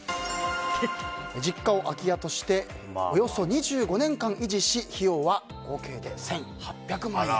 実家を空き家としておよそ２５年間維持し費用は合計で１８００万円。